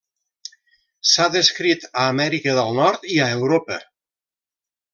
S'ha descrit a Amèrica del Nord i a Europa.